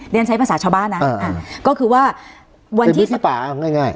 ดิฉันใช้ภาษาชาวบ้านนะอ่าอ่าก็คือว่าวันที่ที่ป่าง่ายง่าย